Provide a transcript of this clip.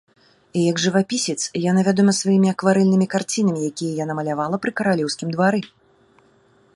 Як жывапісец, яна вядома сваімі акварэльнымі карцінамі, якія яна малявала пры каралеўскім двары.